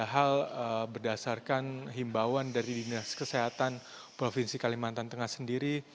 hal berdasarkan himbauan dari dinas kesehatan provinsi kalimantan tengah sendiri